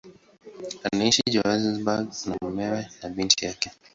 Anaishi Johannesburg na mumewe na binti yake.